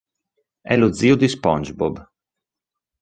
È lo zio di SpongeBob.